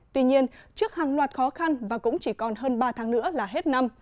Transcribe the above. tuy nhiên trước hàng loạt khó khăn và cũng chỉ còn hơn ba tháng nữa là hết năm